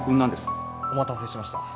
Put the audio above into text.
お待たせしました。